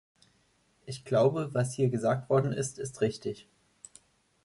Ich glaube, was hier gesagt worden ist, ist richtig.